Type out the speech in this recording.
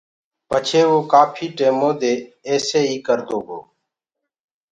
پڇي وو ڪآڦي ٽيمودي ايسي ئي ڪردو گو۔